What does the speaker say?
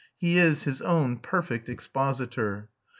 He is his own perfect expositor.